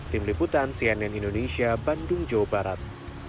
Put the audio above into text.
tim liputan cnn indonesia bandung jawa barat